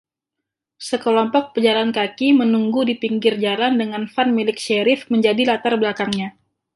Sekelompok pejalan kaki menunggu di pinggir jalan dengan van milik sherif menjadi latar belakangnya.